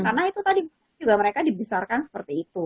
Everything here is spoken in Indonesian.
karena itu tadi juga mereka dibesarkan seperti itu